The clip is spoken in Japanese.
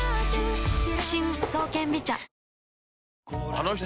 あの人